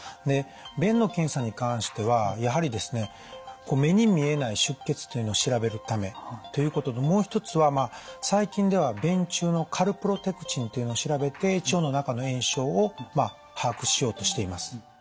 で便の検査に関してはやはりですね目に見えない出血というのを調べるためということともう一つは最近では便中のカルプロテクチンというのを調べて腸の中の炎症を把握しようとしています。